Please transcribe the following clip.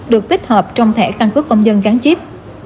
được tích hợp trong thẻ cân cước công nhân gắn chip